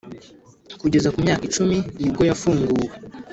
Kugeza ku myaka icumi nibwo yafunguwe